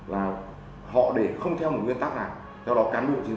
với việc sử dụng sai mục đích như thế này